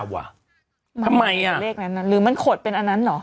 ว่ะทำไมอ่ะเลขนั้นหรือมันขดเป็นอันนั้นเหรอ